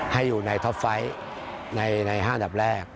ให้อยู่ในท็อปไฟต์ใน๕อันดับแรก